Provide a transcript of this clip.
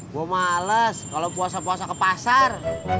gue males kalau puasa puasa ke pasar